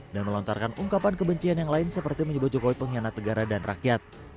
dan melontarkan ungkapan kebencian yang lain seperti menyebut jokowi penghina negara dan rakyat